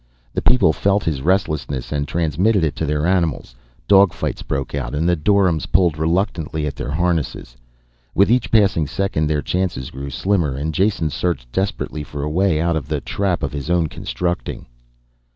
The people felt his restlessness and transmitted it to the animals. Dogfights broke out and the doryms pulled reluctantly at their harnesses. With each passing second their chances grew slimmer and Jason searched desperately for a way out of the trap of his own constructing.